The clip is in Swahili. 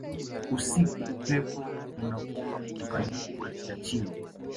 Usiku upepo unavuma kutoka juu kuelekea chini